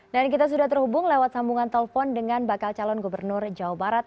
dan kita sudah terhubung lewat sambungan telpon dengan bakal calon gubernur jawa barat